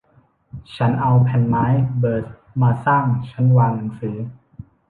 ฉันเอาแผ่นไม้เบิร์ซมาสร้างชั้นวางหนังสือ